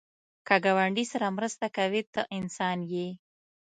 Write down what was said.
که ګاونډي سره مرسته کوې، ته انسان یې